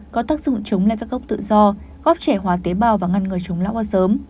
có tác dụng chống lại các gốc tự do góp trẻ hóa tế bào và ngăn ngờ chống lão quá sớm